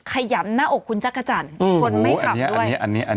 ขยำหน้าอกคุณจักรจันทร์คนไม่ขำด้วย